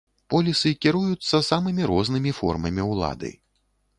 Полісы кіруюцца самымі рознымі формамі ўлады.